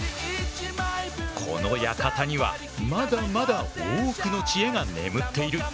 この館にはまだまだ多くの知恵が眠っている。